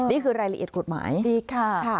นี่คือรายละเอียดกฎหมายดีค่ะ